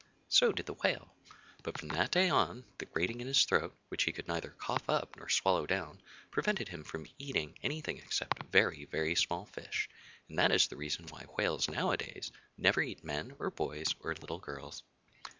So did the Whale. But from that day on, the grating in his throat, which he could neither cough up nor swallow down, prevented him eating anything except very, very small fish; and that is the reason why whales nowadays never eat men or boys or little girls.